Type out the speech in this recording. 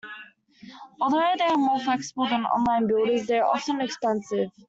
Although they are more flexible than online builders, they are often expensive.